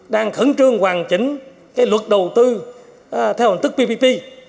đang khẩn trương hoàn chỉnh cái luật đầu tư theo hành tức ppp